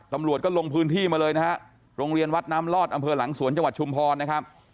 ตำรวจก็ลงพื้นที่มาเลยนะฮะโรงเรียนวัดน้ำลอดอำเภอหลังสวนจังหวัดชุมพรนะครับ